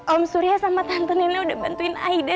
om surya sama tante nenek udah bantuin aida